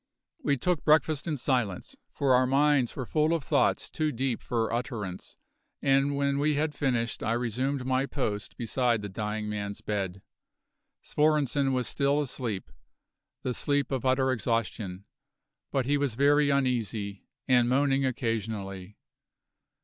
We took breakfast in silence, for our minds were full of thoughts too deep for utterance; and when we had finished I resumed my post beside the dying man's bed. Svorenssen was still asleep the sleep of utter exhaustion; but he was very uneasy, and moaning occasionally.